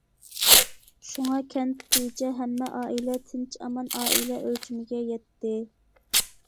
شۇڭا كەنت بويىچە ھەممە ئائىلە‹‹ تىنچ ئامان›› ئائىلە ئۆلچىمىگە يەتتى.